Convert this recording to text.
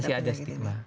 masih ada stigma